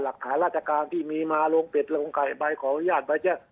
หลักฐานราชการที่มีมาลงปิดลงไปขออนุญาตไปเจ๊ะ